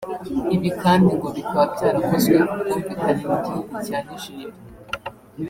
ibi kandi ngo bikaba byarakozwe ku bwumvikane n’igihugu cya Niger